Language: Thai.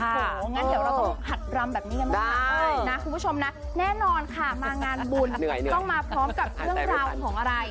โอ้โหงั้นเดี๋ยวเราต้องหัดรำแบบนี้กันบ้างนะคุณผู้ชมนะแน่นอนค่ะมางานบุญต้องมาพร้อมกับเรื่องราวของอะไร